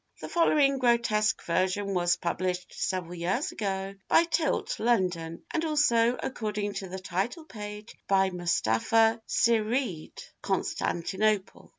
The following grotesque version was published several years ago by Tilt, London, and also, according to the title page, by Mustapha Syried, Constantinople!